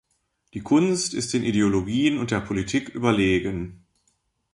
Die Kunst ist den Ideologien und der Politik überlegen.